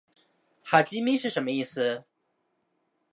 哈基米是什么意思？